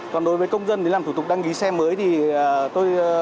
còn đối với công dân làm thủ tục đăng ký xe mới